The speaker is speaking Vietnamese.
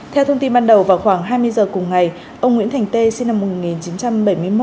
theo thông tin ban đầu vào khoảng hai mươi giờ cùng ngày ông nguyễn thành tê sinh năm một nghìn chín trăm bảy mươi một